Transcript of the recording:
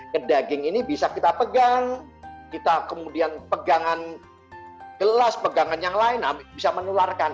ke daging ini bisa kita pegang kita kemudian pegangan gelas pegangan yang lain bisa menularkan